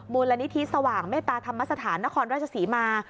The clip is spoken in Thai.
มูลนิธิสว่างเมตตาธรรมสถานนครราชศรีมา